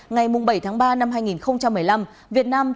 ngày bảy tháng ba năm hai nghìn một mươi năm